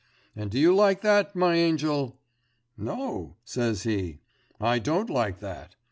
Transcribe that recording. "And do you like that, my angel?" "No," says he, "I don't like that."